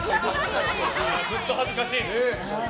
ずっと恥ずかしい。